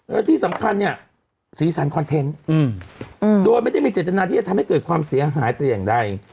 แล้วที่สำคัญเนี่ยสีสันคอนเทนต์โดยไม่ได้มีเจตนาที่จะทำให้เกิดความเสียหายแต่อย่างใด